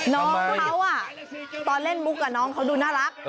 น้องเขาตอนเล่นมุกกับน้องเขาดูน่ารัก